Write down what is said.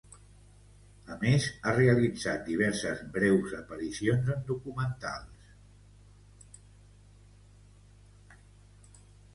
A més, ha realitzat diverses breus aparicions en documentals.